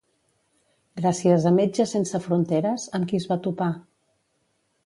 Gràcies a Metge Sense Fronteres, amb qui es va topar?